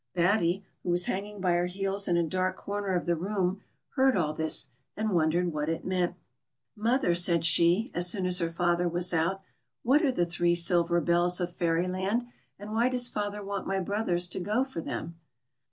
Batty, who was hanging by her heels in a dark corner of the room, heard all this, and wondered what it meant. B.4 TTY. 2ot " Mother," said she, as soon as her father was out, "what are the three silver bells of Fairyland, and why does father want my brothers to go for them